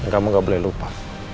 kamu gak boleh lupa